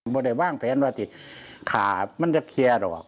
ไม่ได้วางแผนว่าที่ขามันจะเคลียร์หรอก